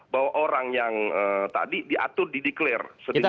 bahwa orang yang tadi diatur dideklarasi setidaknya